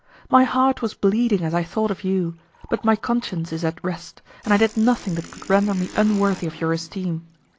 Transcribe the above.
My heart was bleeding as I thought of you; but my conscience is at rest, and I did nothing that could render me unworthy of your esteem.